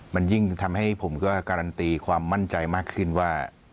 มันยิ่งทำให้ผมก็การันตีความมั่นใจมากขึ้นว่า